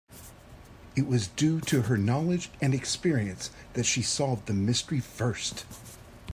It was due to her knowledge and experience that she solved the mystery first.